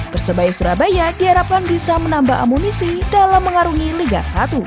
persebaya surabaya diharapkan bisa menambah amunisi dalam mengarungi liga satu